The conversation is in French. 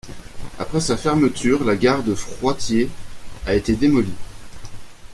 Après sa fermeture, la gare de Froidthier a été démolie.